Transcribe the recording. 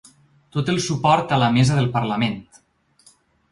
Tot el suport a la mesa del parlament.